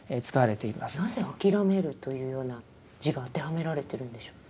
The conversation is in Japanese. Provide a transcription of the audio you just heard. なぜ「諦める」というような字が当てはめられてるんでしょう？